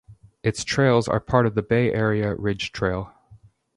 Its trails are part of the Bay Area Ridge Trail.